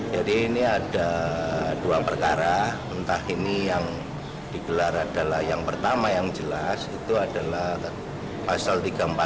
jadi ini ada dua perkara entah ini yang digelar adalah yang pertama yang jelas itu adalah pasal tiga ratus empat puluh